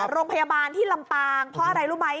โรงพยาบาลที่ลำปางเพราะอะไรรู้ไหม